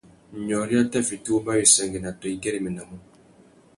Nyôrï a tà fiti wuba wissangüena tô i güeréménamú.